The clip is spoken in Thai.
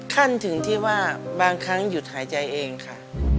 ขั้นถึงที่ว่าบางครั้งหยุดหายใจเองค่ะ